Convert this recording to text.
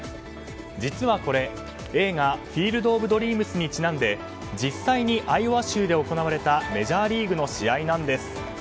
実はこれ映画の「フィールド・オブ・ドリームス」にちなんで実際にアイオワ州で行われたメジャーリーグの試合なんです。